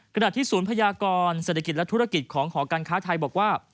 ขณะที่ศูนย์พยากรเศรษฐกิจและธุรกิจของหอการค้าไทยบอกว่า